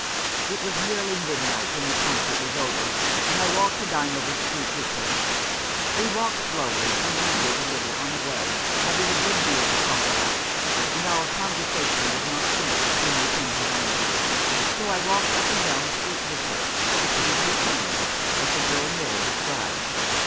It was nearly midnight when the concert was over, and I walked to Dynevor Street with her. We walked slowly, and lingered a little on the way, having a good deal to talk about, and our conversation was not finished when we came to Dynevor Street, so I walked up and down the » 54 At Bow Street, street with her — between two turnings — as the girl Miller described.